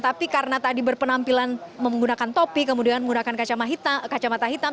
tapi karena tadi berpenampilan menggunakan topi kemudian menggunakan kacamata hitam